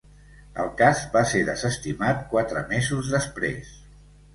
El cas va ser desestimat quatre mesos després.